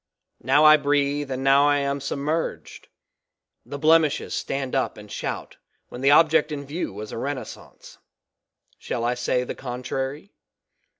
Now I breathe and now I am sub merged; the blemishes stand up and shout when the object in view was a renaissance; shall I say the contrary?